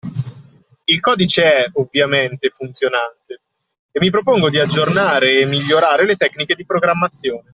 Il codice è, ovviamente, funzionante e mi propongo di aggiornare e migliorare le tecniche di programmazione